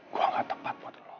gue gak tepat buat lo